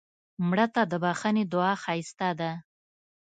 مړه ته د بښنې دعا ښایسته ده